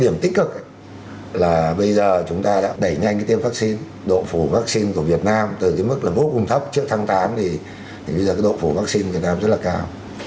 điểm tích cực là bây giờ chúng ta đã đẩy nhanh tiêm vaccine độ phủ vaccine của việt nam từ cái mức là vô cùng thấp trước tháng tám thì bây giờ cái độ phủ vaccine việt nam rất là cao